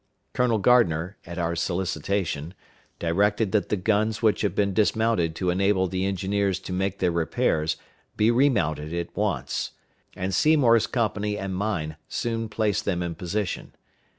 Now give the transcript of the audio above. Colonel Gardner, at our solicitation, directed that the guns which had been dismounted to enable the engineers to make their repairs be remounted at once, and Seymour's company and mine soon placed them in position.